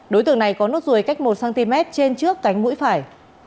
đối tượng này có nốt ruồi cách một cm trên trước cánh mũi phải